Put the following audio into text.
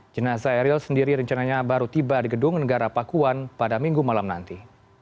jenazah eril sendiri rencananya baru tiba di gedung negara pakuan pada minggu malam nanti